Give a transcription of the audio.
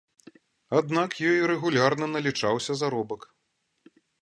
Аднак ёй рэгулярна налічаўся заробак.